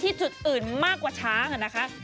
ที่จุดอื่นมากกว่าช้าง